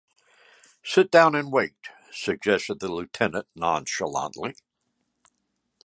"Sit down and wait," suggested the lieutenant nonchalantly.